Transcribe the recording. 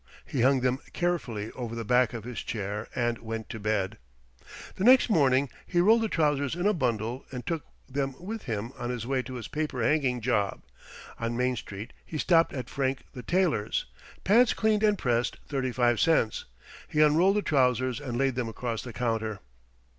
He hung them carefully over the back of his chair, and went to bed. The next morning he rolled the trousers in a bundle and took them with him on his way to his paper hanging job. On Main Street he stopped at Frank the Tailor's "Pants Cleaned and Pressed, 35 Cents." He unrolled the trousers and laid them across the counter.